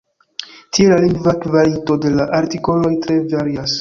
Tie la lingva kvalito de la artikoloj tre varias.